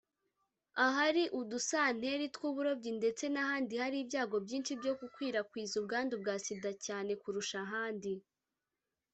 ahari udusanteri tw’uburobyi ndetse n’ahandi hari ibyago byinshi byo gukwirakwiza ubwandu bwa Sida cyane kurusha ahandi